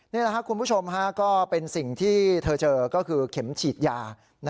นี่แหละครับคุณผู้ชมก็เป็นสิ่งที่เธอเจอก็คือเข็มฉีดยา